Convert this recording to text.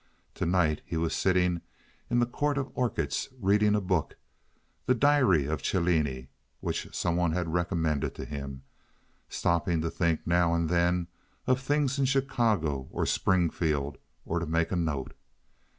To night he was sitting in the court of orchids, reading a book—the diary of Cellini, which some one had recommended to him—stopping to think now and then of things in Chicago or Springfield, or to make a note.